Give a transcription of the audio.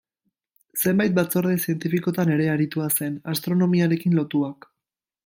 Zenbait batzorde zientifikotan ere aritua zen, astronomiarekin lotuak.